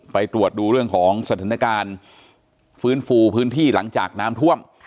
ไปตรวจดูเรื่องของสถานการณ์ฟื้นฟูพื้นที่หลังจากน้ำท่วม